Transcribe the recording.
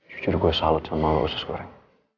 jujur gue salut sama lo usus goreng